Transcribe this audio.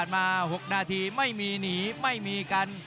ไม่มีหนีไม่มีกัน